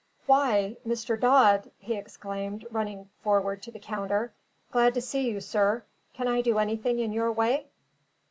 "Why! Mr. Dodd!" he exclaimed, running forward to the counter. "Glad to see you, sir! Can I do anything in your way?"